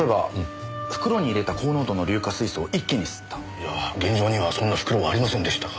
いや現場にはそんな袋はありませんでしたが。